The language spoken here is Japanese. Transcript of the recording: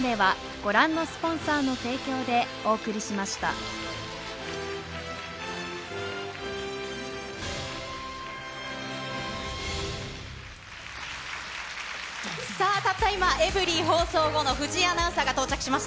どん兵衛さあ、たった今、エブリィ放送後の藤井アナウンサーが到着しました。